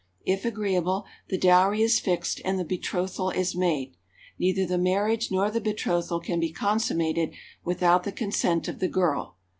If agreeable, the dowry is fixed and the betrothal is made. Neither the marriage nor the betrothal can be consummated without the consent of the girl.